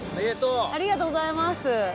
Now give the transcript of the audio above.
ありがとうございます。